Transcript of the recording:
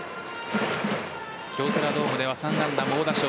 京セラドームでは３安打猛打賞。